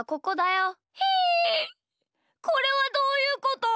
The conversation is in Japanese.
これはどういうこと？